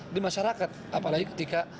di masyarakat apalagi ketika